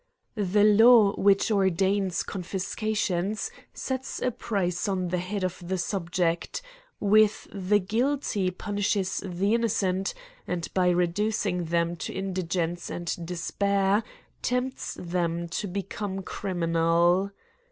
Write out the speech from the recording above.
The law which ordains confiscations sets a price on the head of the subject, with the guilty punishes the innocent, and, by reducing them to indigence and despair, tempts them to become criminal.